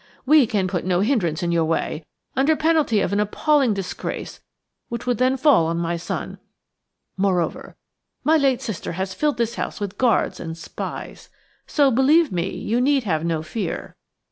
We can put no hindrance in your way, under penalty of an appalling disgrace which would then fall on my son; moreover, my late sister has filled this house with guards and spies. So, believe me, you need have no fear.